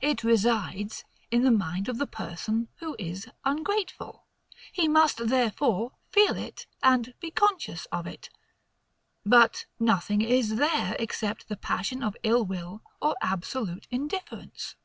It resides in the mind of the person who is ungrateful. He must, therefore, feel it, and be conscious of it. But nothing is there, except the passion of ill will or absolute indifference.